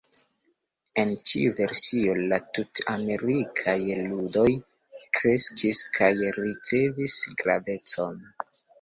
En ĉiu versio, la Tut-Amerikaj Ludoj kreskis kaj ricevis gravecon.